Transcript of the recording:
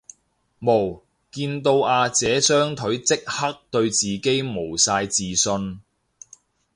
無，見到阿姐雙腿即刻對自己無晒自信